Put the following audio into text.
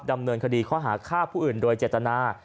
ดำเนินคดีข้อหาฆ่าผู้อื่นโดยเจตนา